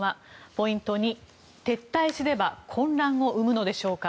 ポイント２、撤退すれば混乱を生むのでしょうか。